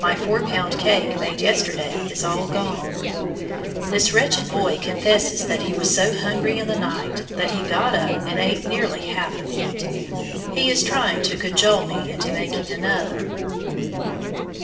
My four pound cake made yesterday is all gone! This wretched boy confesses that he was so hungry in the night that he got up and ate nearly half of it. He is trying to cajole me into making another.